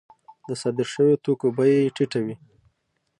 د صادر شویو توکو بیه یې ټیټه وي